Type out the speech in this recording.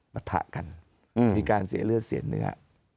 ปะทะกันมีการเสียเลือดเสียเนื้อ